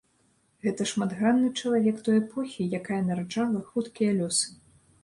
Гэта шматгранны чалавек той эпохі, якая нараджала хуткія лёсы.